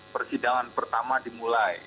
persidangan pertama dimulai